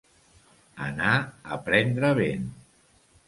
Anar a prendre vent.